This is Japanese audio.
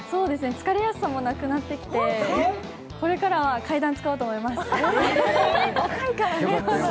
疲れやすさもなくなってきてこれからは階段使おうと思います。